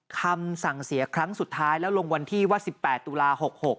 คำสั่งเสียครั้งสุดท้ายแล้วลงวันที่ว่า๑๘ตุลา๖๖